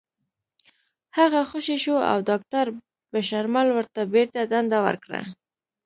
هغه خوشې شو او داکتر بشرمل ورته بېرته دنده ورکړه